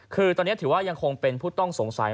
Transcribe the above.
คือตอนนี้ถือว่ายังคงเป็นผู้ต้องสงสัย